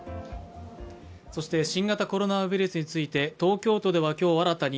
新型コロナウイルスについて、東京都では今日新たに